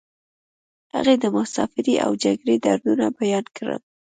هغې د مسافرۍ او جګړې دردونه بیان کړل